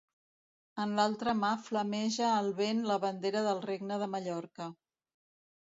En l'altra mà flameja al vent la bandera del Regne de Mallorca.